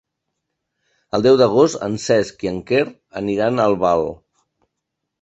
El deu d'agost en Cesc i en Quer aniran a Albal.